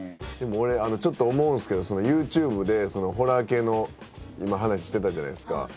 でも俺ちょっと思うんですけどＹｏｕＴｕｂｅでホラー系の今話してたじゃないですか。